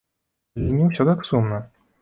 Але не ўсё так сумна!